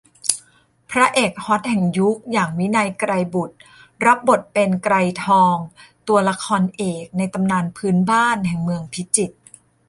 พระเอกฮอตแห่งยุคอย่าง วินัย ไกรบุตร รับบทเป็น ไกรทอง ตัวละครเอกในตำนานพื้นบ้านแห่งเมืองพิจิตร